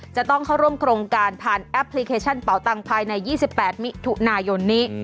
จะต้องเข้าร่วมโครงการผ่านแอปพลิเคชันเป่าตังภายใน๒๘มิถุนายนนี้